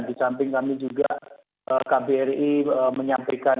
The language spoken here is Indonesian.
di samping kami juga kbri menyampaikan